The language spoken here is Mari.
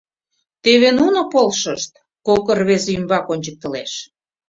Тӧвӧ нуно полшышт, — кок рвезе ӱмбак ончыктылеш.